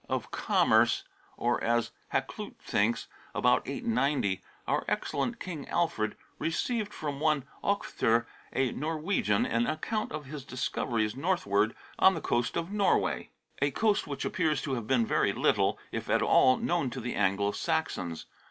ii2 A BOOK OF WHALES t of Commerce], or, as Hakluyt thinks, about 890, ' our excellent King Alfred ' received from one Ochther, a Norwegian, an account of his discoveries northward O * on the coast of Norway; a coast which appears to have been before very little, if at all, known to the Ano lo Saxons.